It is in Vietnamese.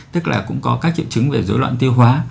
tức là cũng có các triệu chứng về dối loạn tiêu hóa